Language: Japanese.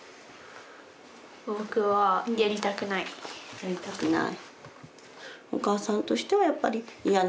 やりたくない？